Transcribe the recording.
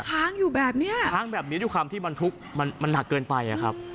ค้างอยู่แบบเนี้ยค้างแบบนี้ด้วยความที่บรรทุกมันมันหนักเกินไปอะครับ